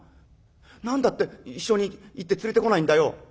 何だって一緒に行って連れてこないんだよ」。